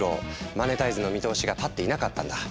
マネタイズの見通しが立っていなかったんだ。